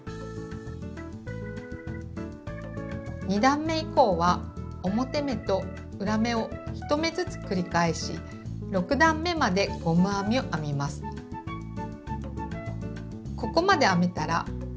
２段め以降は表目と裏目を１目ずつ繰り返し６段めまでゴム編みを編みます。